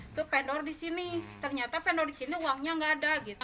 itu pendor disini ternyata pendor disini uangnya nggak ada gitu